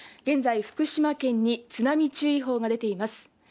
現在福島県に津波注意報が出ています。